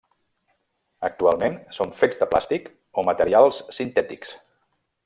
Actualment són fets de plàstic o materials sintètics.